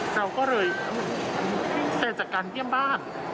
เราก็เลยแต่จากการเยี่ยมบ้าน